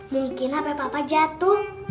mungkin hape papa jatuh